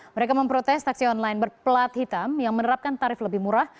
mereka memprotes taksi online berplat hitam yang menerapkan tarif lebih murah